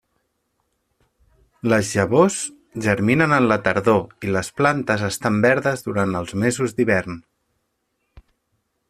Les llavors germinen en la tardor i les plantes estan verdes durant els mesos d'hivern.